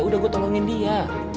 udah gue tolongin dia